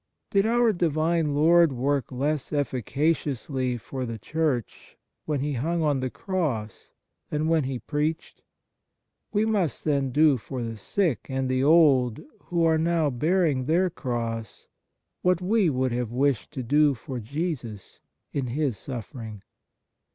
Did our Divine Lord work less efficaciously 33 D Fraternal Charity for the Church when He hung on the Cross than when He preached ? We must, then, do for the sick and the old who are now bearing their cross what we would have wished to do for Jesus in His suffering.